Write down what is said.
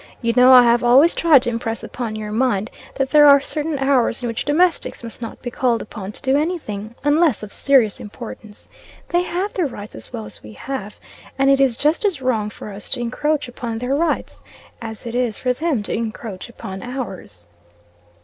You know I have always tried to impress upon your mind, that there are certain hours in which domestics must not be called upon to do any thing, unless of serious importance. They have their rights, as well, as we have, and it is just as wrong for us to encroach upon their rights, as it is for them to encroach upon ours."